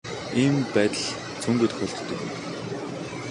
Ийм байдал цөөнгүй тохиолддог юм.